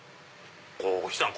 こひさん